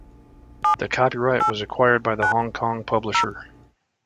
The copyright was acquired by the Hong Kong publisher.